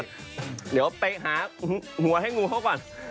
เดี๋ยวไปหาหัวให้งูเขาก่อน